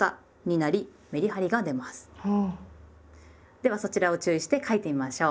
ではそちらを注意して書いてみましょう。